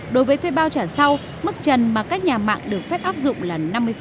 đối với thuê bao trả sau mức trần mà các nhà mạng được phép áp dụng là năm mươi